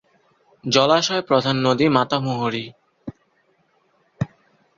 জলাশয় প্রধান নদী: মাতামুহুরী।